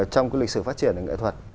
trong cái lịch sử phát triển của nghệ thuật